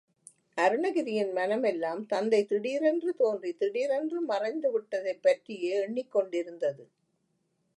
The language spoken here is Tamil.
அருணகிரியின் மனமெல்லாம் தந்தை திடீரென்று தோன்றி திடீரென்று மறைந்து விட்டதைப் பற்றியே எண்ணிக் கொண்டிருந்தது.